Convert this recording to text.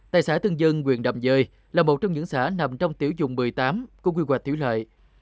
tại xã tân dân quyền đầm dơi là một trong những xã nằm trong tiểu dùng một mươi tám của quy hoạch thủy lợi